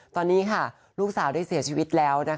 ตอนนี้ลูกสาวได้เสียชีวิตแล้ว